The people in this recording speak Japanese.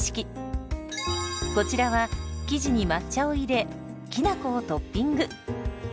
こちらは生地に抹茶を入れきなこをトッピング。